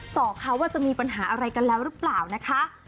อกเขาว่าจะมีปัญหาอะไรกันแล้วหรือเปล่านะคะ